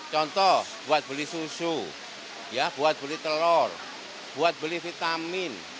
contoh buat beli susu buat beli telur buat beli vitamin